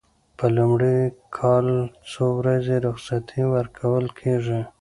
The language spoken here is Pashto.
په لومړي کال څو ورځې رخصتي ورکول کیږي؟